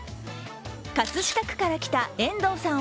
葛飾区からきた遠藤さん